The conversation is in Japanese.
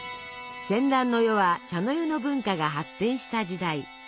戦乱の世は茶の湯の文化が発展した時代。